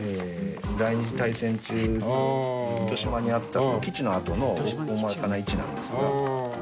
第二次大戦中に糸島にあった基地の跡の大まかな位置なんですが。